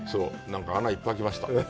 穴がいっぱい開きました。